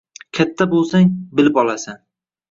“Katta bo‘lsang – bilib olasan”